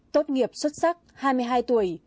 tốt nghiệp xuất sắc hai mươi hai tuổi